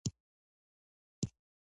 آمریت اړوند د تهیه او تدارکاتو عمومي مدیریت